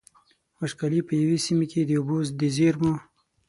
وچکالي په يوې سيمې کې د اوبو د زېرمو.